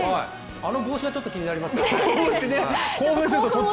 あの帽子がちょっと気になりますよね。